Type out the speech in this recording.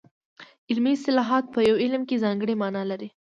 علمي اصطلاحات په یو علم کې ځانګړې مانا لري